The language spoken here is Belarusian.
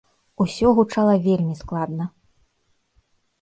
Усё гучала вельмі складна.